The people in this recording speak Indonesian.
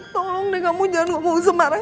tolong deh kamu jangan ngomong semarah